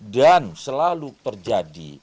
dan selalu terjadi